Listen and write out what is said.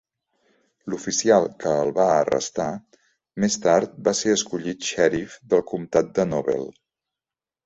L'oficial que el va arrestar, més tard va ser escollit xèrif del comtat de Nobel.